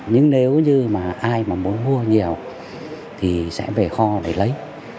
nhưng nếu như mà ai mà muốn mua nhiều thì sẽ về kho để lấy